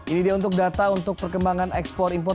ini dia untuk data untuk perkembangan ekspor impor